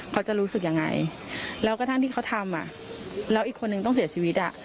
เขาจะรู้สึกยังไงแล้วกระทั่งที่เขาทำอ่ะแล้วอีกคนนึงต้องเสียชีวิตอ่ะ